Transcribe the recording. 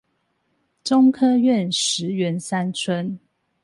中科院石園三村